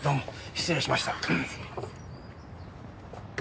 失礼しました。